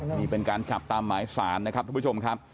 นี่เป็นการจับตามหมายสารนะครับทุกผู้ชมครับ